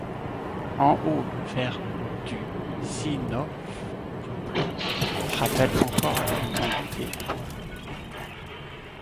En haut, le vert du sinople rappelle encore l'étendue des bois.